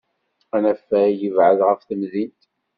Anafag yebɛed ɣef temdint.